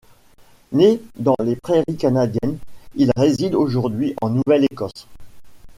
Né dans les Prairies canadiennes, il réside aujourd'hui en Nouvelle-Écosse.